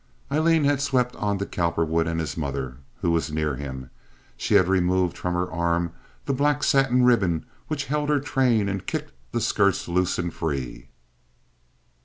Aileen had swept on to Cowperwood and his mother, who was near him. She had removed from her arm the black satin ribbon which held her train and kicked the skirts loose and free.